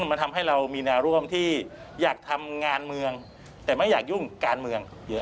มันทำให้เรามีแนวร่วมที่อยากทำงานเมืองแต่ไม่อยากยุ่งการเมืองเยอะ